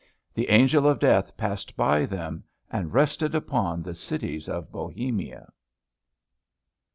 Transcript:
The Angel of Death passed by them, and rested upon the cities of Bohemia.